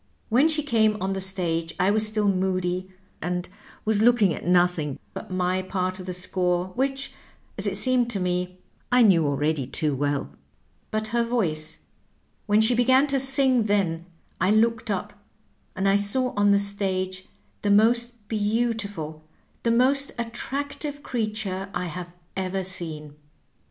When she came on the stage I was still moody, and was looking at nothing but my part of the score, which, as it seemed to me, I knew already too well. But her voice — ^when she began to sing then I looked up, and I saw on the stage the most beautiful, the most attractive creature I have ever seen.